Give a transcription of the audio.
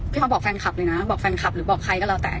เขาบอกแฟนคลับเลยนะบอกแฟนคลับหรือบอกใครก็แล้วแต่